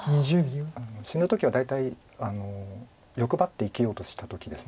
死ぬ時は大体欲張って生きようとした時です。